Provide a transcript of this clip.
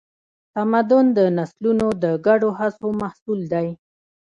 تمدن د نسلونو د ګډو هڅو محصول دی.